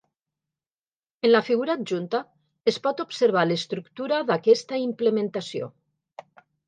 En la figura adjunta es pot observar l'estructura d'aquesta implementació.